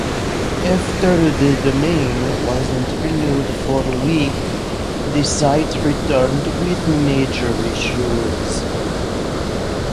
After the domain wasn't renewed for a week, the site returned with major issues.